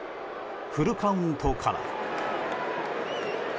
フルカウントから。